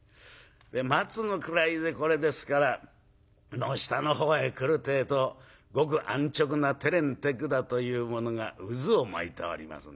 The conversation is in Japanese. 松の位でこれですから下の方へ来るてえとごく安直な手練手管というものが渦を巻いております。